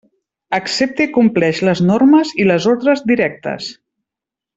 Accepta i compleix les normes i les ordres directes.